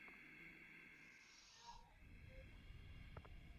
উপাসনার পর আহার ছিল– বিনয় কহিল, আজ আমার ক্ষুধা নেই।